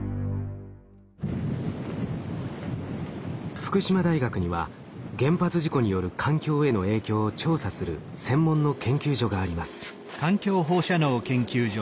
福島大学には原発事故による環境への影響を調査する専門の研究所があります。